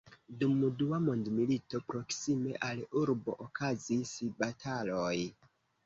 Dum Dua mondmilito proksime al urbo okazis bataloj.